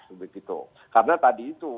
seperti itu karena tadi itu